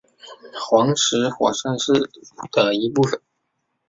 黄石火山是的一部分。